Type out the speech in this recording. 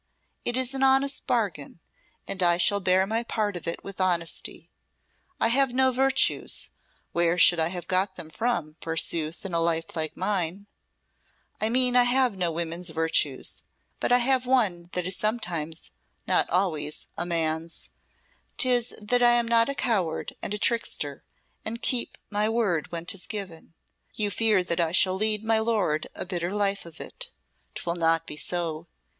It is an honest bargain, and I shall bear my part of it with honesty. I have no virtues where should I have got them from, forsooth, in a life like mine? I mean I have no women's virtues; but I have one that is sometimes not always a man's. 'Tis that I am not a coward and a trickster, and keep my word when 'tis given. You fear that I shall lead my lord a bitter life of it. 'Twill not be so.